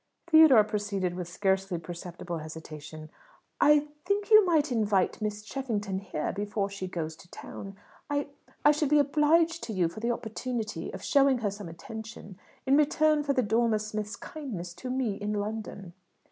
Theodore proceeded, with a scarcely perceptible hesitation, "I think you might invite Miss Cheffington here before she goes to town. I I should be obliged to you for the opportunity of showing her some attention, in return for the Dormer Smiths' kindness to me in London."